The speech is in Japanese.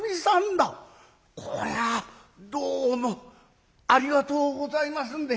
こりゃどうもありがとうございますんで」。